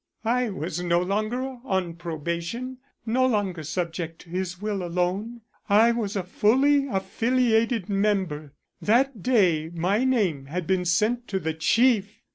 "I was no longer on probation, no longer subject to his will alone. I was a fully affiliated member. That day my name had been sent to the Chief.